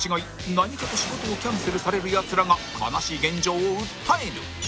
何かと仕事をキャンセルされるヤツらが悲しい現状を訴える